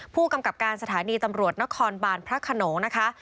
ผู้กำกับการสถานีตำรวจนครบานพระขนงนะคะ